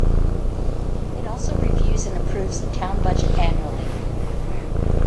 It also reviews and approves the town budget annually.